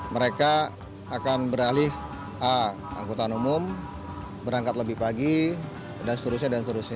mereka akan beralih a angkutan umum berangkat lebih pagi dan seterusnya dan seterusnya